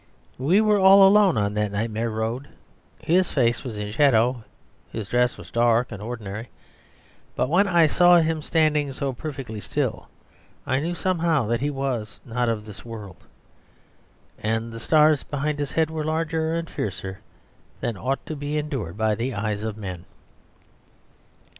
We were all alone on that nightmare road; his face was in shadow; his dress was dark and ordinary; but when I saw him standing so perfectly still I knew somehow that he was not of this world. And the stars behind his head were larger and fiercer than ought to be endured by the eyes of men.